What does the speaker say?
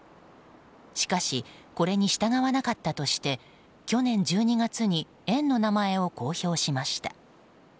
しかしこれに従わなかったとして去年１２月に園の名前を公表しました。